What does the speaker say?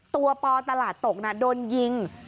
ตัวปตลาดตกนะโดนยิง